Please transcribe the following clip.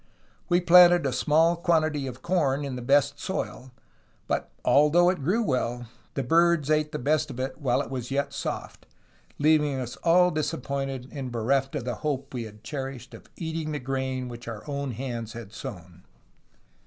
We planted a small quantity of corn in the best soil, but, although it grew well, the birds ate the best of it while it was yet soft, leav ing us disappointed and bereft of the hope we had cherished of eating the grain which our hands had sown.